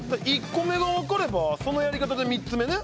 １個目が分かればそのやり方で３つ目ね。